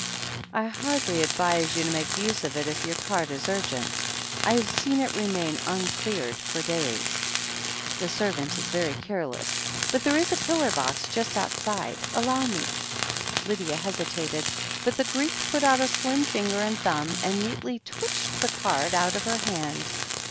"I hardly advise you to make use of it, if your card is urgent I have seen it remain tmcleared for days. io8 THE HEEL OF ACHILLES The servant is very careless. But there is a pillar box just outside. Allow mel" Lydia hesitated, but the Greek put out a slim finger and thumb, and neatly twitched the card out of her hand.